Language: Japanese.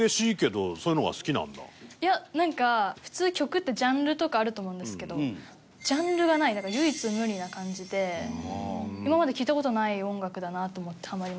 いやなんか普通曲ってジャンルとかあると思うんですけどジャンルがないなんか唯一無二な感じで今まで聴いた事ない音楽だなと思ってハマりました。